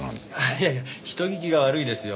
いやいや人聞きが悪いですよ。